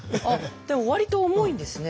でも割と重いんですね。